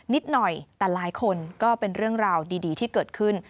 นิดหน่อยแต่หลายคนก็เป็นเรื่องราวดีที่เกิดขึ้น